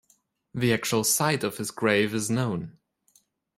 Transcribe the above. The actual site of his grave is known.